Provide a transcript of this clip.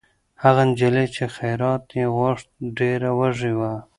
هغه نجلۍ چې خیرات یې غوښت، ډېره وږې وه.